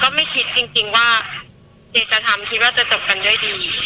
ไม่คิดจริงว่าเจจะทำคิดว่าจะจบกันด้วยดี